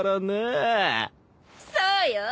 そうよ！